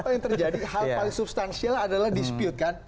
apa yang terjadi hal paling substansial adalah dispute kan